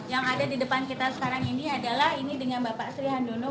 yang ada di depan kita sekarang ini adalah ini dengan bapak sri handono